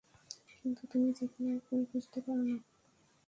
কিন্তু তুমি যেকোন এক মেয়ে খুঁজতে পারো না?